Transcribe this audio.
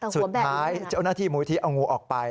สุดท้ายเจ้าหน้าที่มูลที่เอางูออกไป